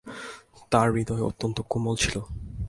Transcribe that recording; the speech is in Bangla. তাঁর হৃদয় অত্যন্ত কোমল ছিল।